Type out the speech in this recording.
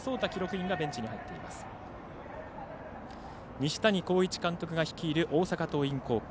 西谷浩一監督が率いる大阪桐蔭高校。